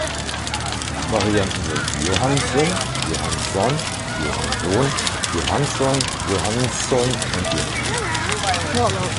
Varianten sind Johannsen, Johansson, Johanson, Johannson, Jóhannsson und Johannessen.